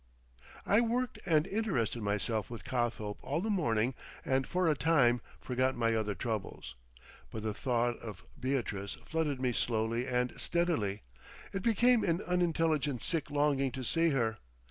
I worked and interested myself with Cothope all the morning and for a time forgot my other troubles. But the thought of Beatrice flooded me slowly and steadily. It became an unintelligent sick longing to see her.